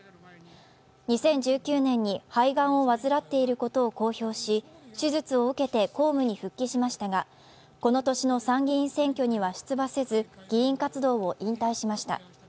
２０１９年肺がんを患っていることを公表し手術を受けて公務に復帰しましたがこの年の参議院選挙には出馬せず議員活動を引退しました。